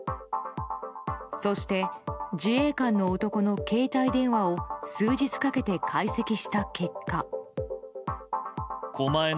そして、自衛官の男の携帯電話を数日かけて解析した結果。